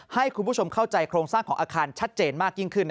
ให้คุณผู้ชมเข้าใจโครงสร้างของอาคารชัดเจนมากยิ่งขึ้น